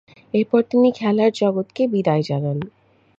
এরপর, তিনি খেলার জগৎকে বিদেয় জানান।